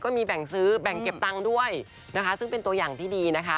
แบ่งซื้อแบ่งเก็บตังค์ด้วยนะคะซึ่งเป็นตัวอย่างที่ดีนะคะ